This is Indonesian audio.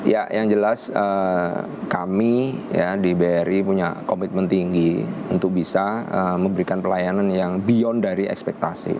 ya yang jelas kami ya di bri punya komitmen tinggi untuk bisa memberikan pelayanan yang beyond dari ekspektasi